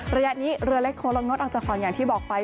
ระยะนี้เรือเล็กโคลองงดออกจากฝั่งอย่างที่บอกไป